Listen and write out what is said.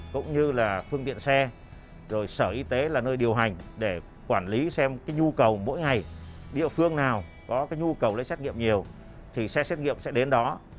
cũng như là phương tiện xe rồi sở y tế là nơi điều hành để quản lý xem cái nhu cầu mỗi ngày địa phương nào có cái nhu cầu lấy xét nghiệm nhiều thì xe xét nghiệm sẽ đến đó